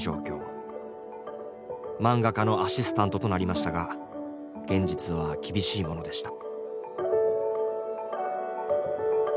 漫画家のアシスタントとなりましたが現実は厳しいものでした。